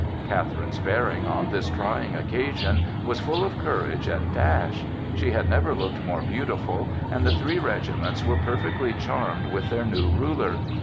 Catherine's bearing on this trying occasion, was full of courage and dash. She had never looked more beautiful, and the three regiments were perfectly charmed with their new ruler.